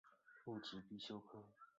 入职必修课